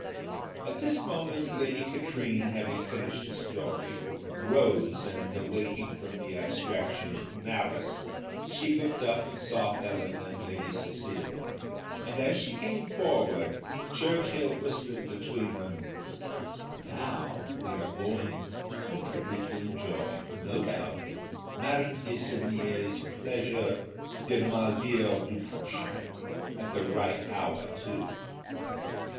At this moment Lady Katrine, having finished her story, rose, and awaking from the abstraction of malice, she looked up and saw Helen and Lady Cecilia, and, as she came forward, Churchill whispered between them, "Now now we are going comfortably to enjoy, no doubt, Madame de Sevigné's pleasure 'de mal dire du prochain,' at the right hour too."